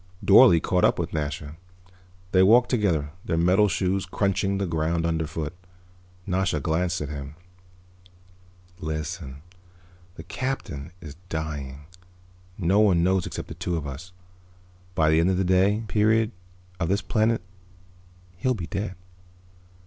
Dorle caught up with Nasha. They walked together, their metal shoes crunching the ground underfoot. Nasha glanced at him. "Listen. The Captain is dying. No one knows except the two of us. By the end of the day period of this planet he'll be dead.